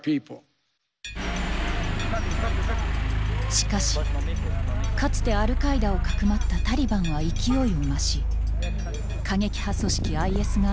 しかしかつてアルカイダをかくまったタリバンは勢いを増し過激派組織ＩＳがテロを繰り返している。